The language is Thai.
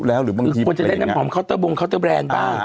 ควรจะได้น้ำหอมเคาน์เตอร์บุงเคาน์เตอร์แบรนด์บ้าง